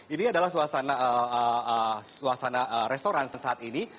ini adalah suasana restoran sesaat ini